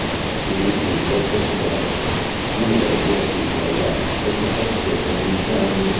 Il dipinto è considerato una delle più ardite e audaci contraffazioni di Zhang.